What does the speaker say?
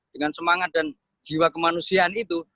dengan semangat dan jiwa kemanusiaan itu